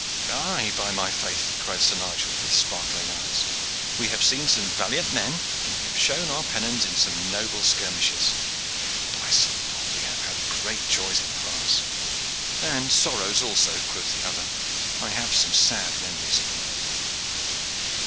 "Aye, by my faith," cried Sir Nigel, with sparkling eyes, "we have seen some valiant men, and we have shown our pennons in some noble skirmishes. By St. Paul! we have had great joys in France." "And sorrows also," quoth the other. "I have some sad memories of the land.